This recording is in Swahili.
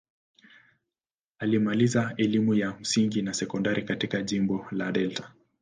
Alimaliza elimu ya msingi na sekondari katika jimbo la Delta.